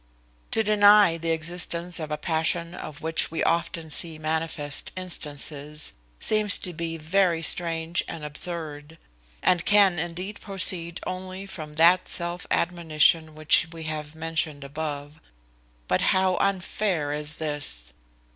To deny the existence of a passion of which we often see manifest instances, seems to be very strange and absurd; and can indeed proceed only from that self admonition which we have mentioned above: but how unfair is this!